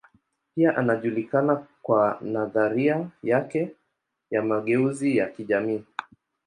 Pia anajulikana kwa nadharia yake ya mageuzi ya kijamii.